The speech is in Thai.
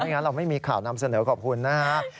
ไม่งั้นเราไม่มีข่าวนำเสนอกรอบคุณนะครับ